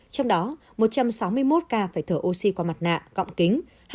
trong đó một trăm sáu mươi một ca phải thở oxy qua mặt nạ cọng kính